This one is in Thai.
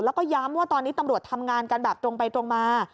แล้วก็ย้ำว่าตอนนี้ตำรวจทำงานกันแบบตรงไปตรงมา